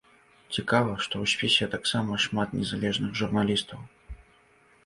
Цікава, што ў спісе таксама шмат незалежных журналістаў.